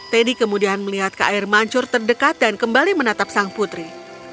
teddy kemudian melihat ke air mancur terdekat dan kembali menatap sang putri